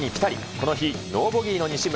この日、ノーボギーの西村。